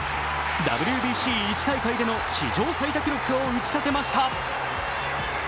ＷＢＣ１大会での史上最多記録を打ち立てました。